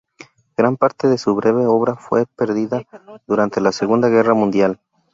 Gran parte de su breve obra fue perdida durante la Segunda Guerra Mundial.